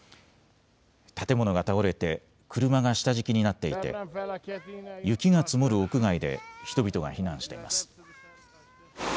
建物が倒れて車が下敷きになっていて雪が積もる屋外で人々が避難しています。